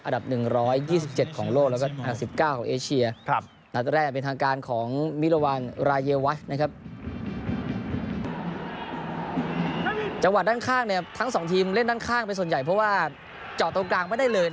อันดับ๑๒๗ของโลกและ๑๙ของเอเชีย